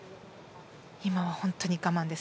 今は本当に我慢です。